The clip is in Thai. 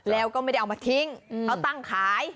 แล้วก็ไม่ได้เอามาทิ้งเขาตั้งขาย